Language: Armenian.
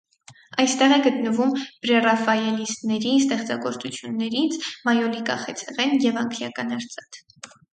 Այստեղ է գտնվում պրեռաֆայելիտների ստեղծագործություններից, մայոլիկա խեցեղեն և անգլիական արծաթ։